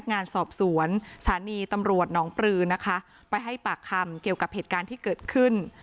งานสอบสวนสถานีตำรวจหนองปลือนะคะไปให้ปากคำเกี่ยวกับเหตุการณ์ที่เกิดขึ้น